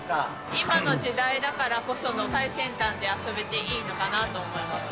今の時代だからこその最先端で遊べていいのかなと思います。